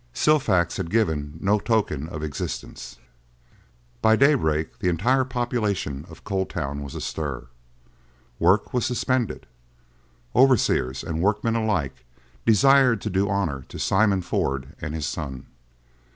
Silfax had given no token of existence. By daybreak the entire population of Coal Town was astir. Work was suspended; overseers and workmen alike desired to do honor to Simon Ford and his son.